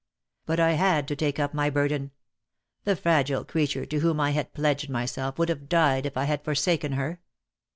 "But I had to take up my burden. The fragile creature to whom I had pledged myself would have died if I had forsaken her.